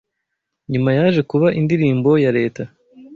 nyuma yaje kuba indirimbo ya leta